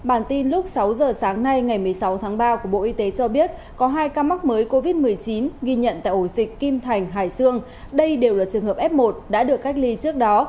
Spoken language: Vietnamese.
bản tin lúc sáu giờ sáng nay ngày một mươi sáu tháng ba của bộ y tế cho biết có hai ca mắc mới covid một mươi chín ghi nhận tại ổ dịch kim thành hải sương đây đều là trường hợp f một đã được cách ly trước đó